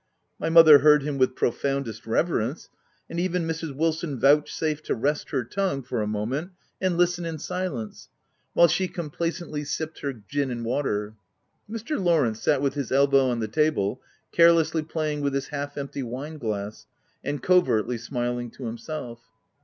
My mother heard him with profoundest reverence ; and even Mrs. Wilson vouchsafed to rest her tongue for a moment, and listen in silence, while she complacently sipped her gin and water. Mr. Lawrence sat with his elbow on the table, carelessly playing with his half empty wine glass, and covertly smiling to himself.